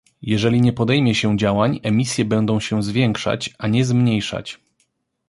Jeżeli nie podejmie się działań, emisje będą się zwiększać, a nie zmniejszać